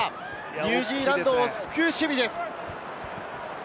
ニュージーランドを救う守備です。